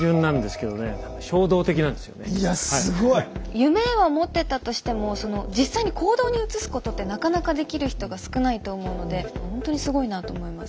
夢は持ってたとしても実際に行動に移すことってなかなかできる人が少ないと思うのでほんとにすごいなと思います。